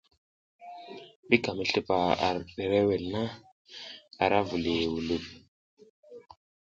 Ɓi ka mi slufa ar ɗerewel na, ara vuliy wulik.